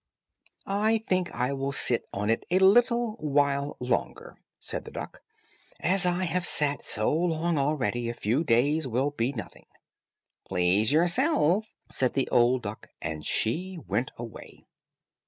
"I think I will sit on it a little while longer," said the duck; "as I have sat so long already, a few days will be nothing." "Please yourself," said the old duck, and she went away.